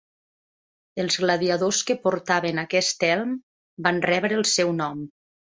Els gladiadors que portaven aquest elm van rebre el seu nom.